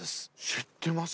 知ってます